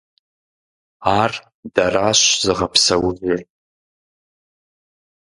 Ар дэращ зыгъэпсэужыр.